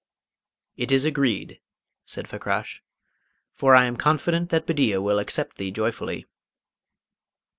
"It is agreed," said Fakrash, "for I am confident that Bedeea will accept thee joyfully."